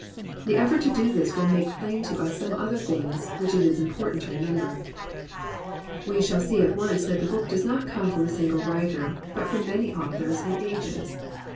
The effort to do this will make plain to us some other things which it is important to remember. We shall see at once that the book does not come from a single writer, but from many authors and ages.